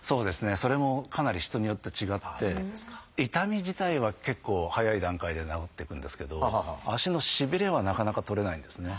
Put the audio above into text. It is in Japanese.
それもかなり人によって違って痛み自体は結構早い段階で治っていくんですけど足のしびれはなかなか取れないんですね。